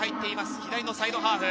左のサイドハーフ。